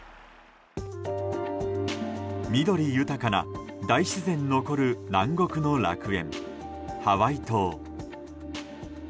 緑豊かな大自然残る南国の楽園、ハワイ島。